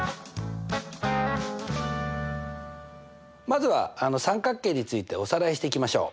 まずは三角形についておさらいしていきましょう。